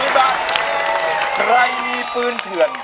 ไตรวีปืนเถือน